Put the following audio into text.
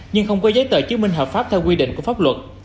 nhưng không có giấy tờ chứng minh hợp pháp theo quy định của pháp luật